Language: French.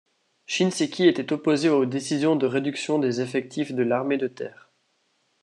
Shinseki était opposé aux décisions de réduction des effectifs de l'armée de terre.